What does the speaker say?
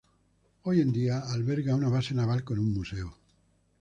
Hoy en día alberga una base naval con un museo.